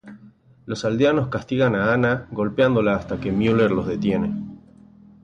Los aldeanos castigan a Anna golpeándola hasta que Müller los detiene.